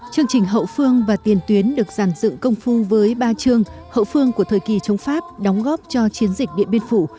chương trình hậu phương và tiền tuyến được giàn dựng công phu với ba trường hậu phương của thời kỳ chống pháp đóng góp cho chiến dịch điện biên phủ